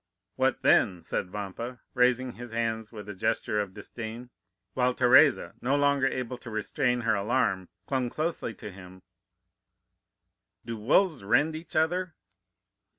"'What, then,' said Vampa, raising his hand with a gesture of disdain, while Teresa, no longer able to restrain her alarm, clung closely to him, 'do wolves rend each other?